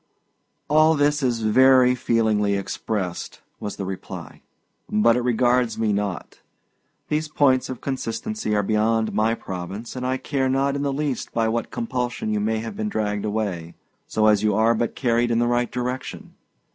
"All this is very feelingly expressed," was the reply, "but it regards me not. These points of consistency are beyond my province, and I care not in the least by what compulsion you may have been dragged away, so as you are but carried in the right direction.